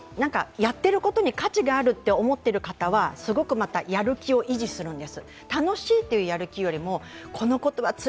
やっていることに価値があると思っている方はすごくやる気を維持するんです。